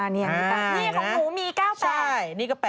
อ๋อนี่ก็๘๙นะครับใช่นี่ก็๘๙